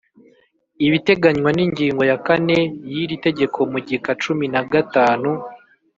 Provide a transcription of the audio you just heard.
ibiteganywa n’ ingingo ya kane y’ iri tegeko mu gika cumi na gatanu